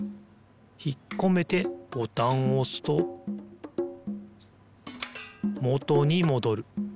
ひっこめてボタンをおすともとにもどる。